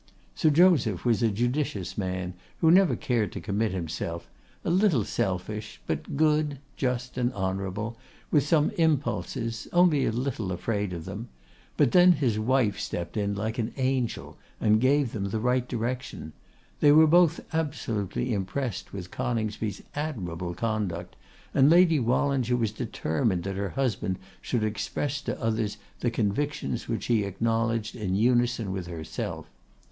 Sir Joseph was a judicious man, who never cared to commit himself; a little selfish, but good, just, and honourable, with some impulses, only a little afraid of them; but then his wife stepped in like an angel, and gave them the right direction. They were both absolutely impressed with Coningsby's admirable conduct, and Lady Wallinger was determined that her husband should express to others the convictions which he acknowledged in unison with herself.